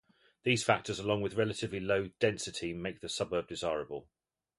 These factors, along with relative low density, make the suburb desirable.